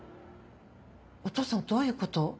お父さんどういうこと？